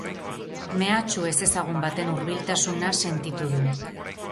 Mehatxu ezezagun baten hurbiltasuna sentitu du.